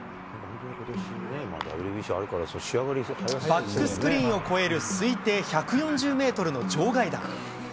バックスクリーンを越える推定１４０メートルの場外弾。